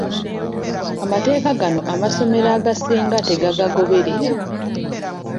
Amateeka gano amasomero agasinga tegagagoberera.